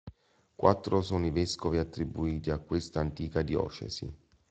Quattro sono i vescovi attribuiti a questa antica diocesi.